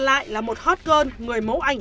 lại là một hot girl người mẫu ảnh